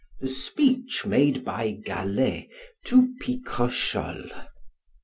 The speech made by Gallet to Picrochole.